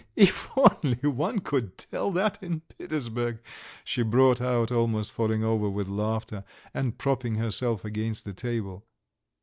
"If only one could tell that in Petersburg!" she brought out, almost falling over with laughter, and propping herself against the table.